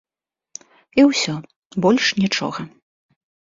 І ўсё, больш нічога.